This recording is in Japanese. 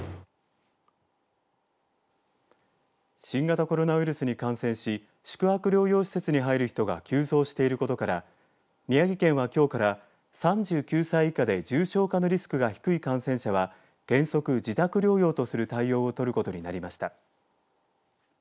新型コロナウイルスに感染し宿泊療養施設に入る人が急増していることから宮城県は、きょうから３９歳以下で重症化のリスクが低い感染者は原則、自宅療養とする対応をとることになりました。